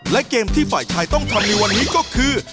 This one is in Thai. และเกมที่ฝ่ายชายต้องทำในวันนี้ก็คือ